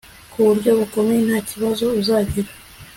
kuburyo bukomeye ntakibazo uzagira